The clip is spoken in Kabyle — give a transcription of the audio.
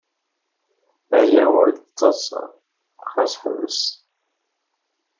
Aya ur d taḍsa, ɣas ḥbes!